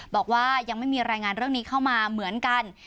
บอกว่ายังไม่มีรายงานเรื่องนี้เข้ามาเหมือนกัน